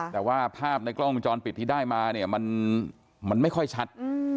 แต่ว่าภาพในกล้องมิจรปิดที่ได้มันไม่ค่อยชัด